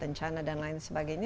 dan china dan lain sebagainya